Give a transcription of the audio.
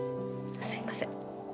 すいません。